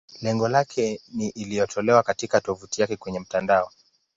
Lengo lake ni iliyotolewa katika tovuti yake kwenye mtandao.